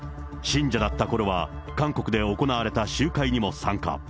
信者だったころは、韓国で行われた集会にも参加。